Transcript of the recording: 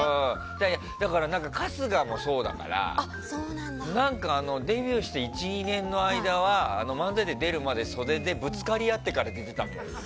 だから、春日もそうだから。デビューして１２年の間は漫才に出るまで袖で、ぶつかり合ってから出てたもん。